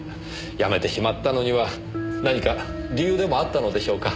やめてしまったのには何か理由でもあったのでしょうか？